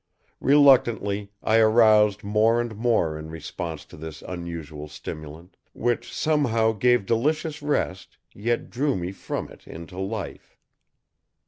Reluctantly, I aroused more and more in response to this unusual stimulant; which somehow gave delicious rest yet drew me from it into life.